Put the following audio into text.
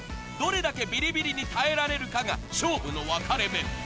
どれだけびりびりに耐えられるかが勝負の分かれ目。